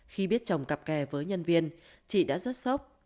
khi biết chồng cặp kè với nhân viên chị đã rất sốc